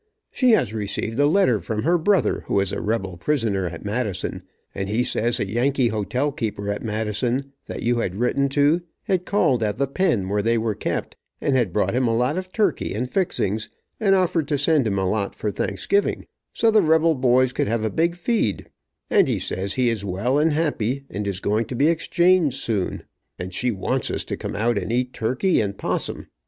She has received a letter from her brother, who is a rebel prisoner at Madison, and he says a Yankee hotel keeper at Madison, that you had written to, had called at the pen where they were kept, and had brought him a lot of turkey and fixings, and offered to send him a lot for Thanksgiving, so the rebel boys could have a big feed, and he says he is well and happy, and going to be exchanged soon. And she wants us to come out and eat turkey and 'possum.